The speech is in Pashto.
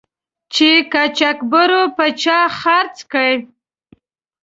چې قاچاقبرو په چا خرڅ کړی.